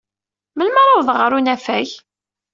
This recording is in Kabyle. Melmi ara awḍeɣ ɣer unafag?